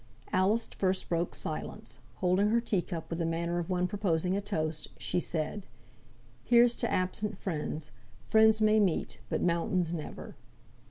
Alice first broke silence; holding her tea cup with the manner of one proposing a toast, she said, "Here's to absent friends. Friends may meet, but mountains never."